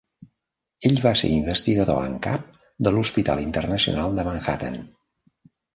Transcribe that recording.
Ell va ser investigador en cap de l'Hospital Internacional de Manhattan.